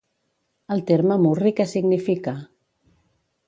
El terme murri què significa?